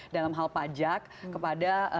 dalam hal pajak kepada